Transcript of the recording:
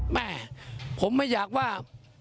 แม่ผมไม่อยากว่า